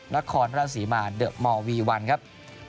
ละครราชสีมารเดอะมอร์วี๑ครับ